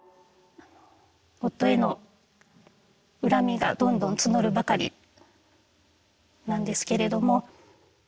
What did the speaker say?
夫への恨みがどんどん募るばかりなんですけれども。